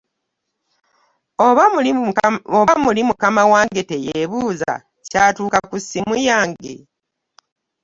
Oba muli mukama wange teyebuuza kyatuuka ku ssimu yange ?